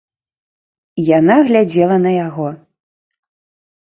Яна глядзела на яго.